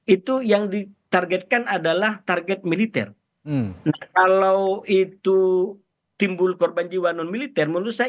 itu yang ditargetkan adalah target militer nah kalau itu timbul korban jiwa non militer menurut saya